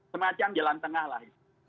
semacam jalan tengah lah